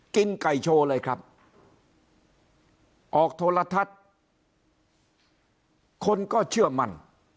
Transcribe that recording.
กินไก่โชว์เลยครับออกโทรทัศน์คนก็เชื่อมั่น